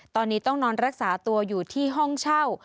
ตอนนี้ต้องนอนรักษาตัวอยู่ที่ห้องเช่า